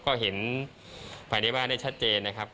ก็เห็นภายในบ้านได้ชัดเจนนะครับ